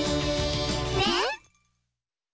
ねっ！